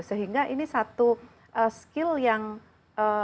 sehingga ini satu skill skill yang bisa diberikan